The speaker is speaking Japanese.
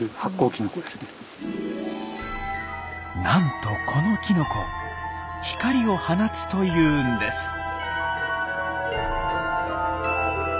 なんとこのきのこ光を放つというんです。